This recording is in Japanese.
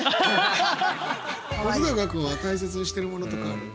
本君は大切にしてるものとかある？